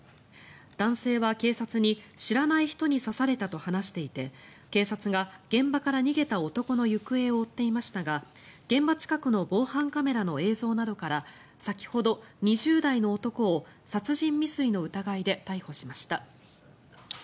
男性は警察に、知らない人に刺されたと話していて警察が現場から逃げた男の行方を追っていましたが現場近くの防犯カメラの映像などから先ほど２０代の男を殺人未遂の疑いで逮捕しました。